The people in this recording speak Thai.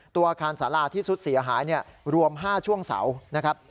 ตัวอาคารสาราที่สุดเสียหายรวม๕ช่วงเสานะครับ